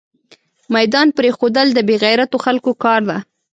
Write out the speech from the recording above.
ميدان پريښودل دبې غيرتو خلکو کار ده